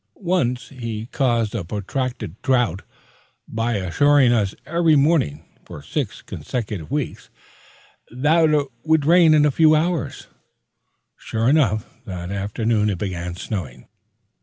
Once he caused a protracted drought by assuring us every morning, for six consecutive weeks, that it would rain in a few hours. But, sure enough, that afternoon it began snowing.